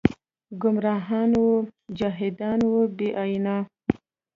ګمراهان و جاهلان و بې ائينه